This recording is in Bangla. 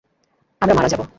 আমরা মারা যাবো।